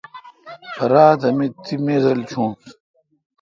راتہ می تی میز رل چونس۔